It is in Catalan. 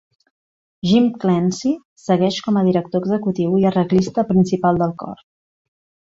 Jim Clancy segueix com a director executiu i arreglista principal del cor.